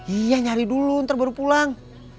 iya nyari dulu ntar baru pulang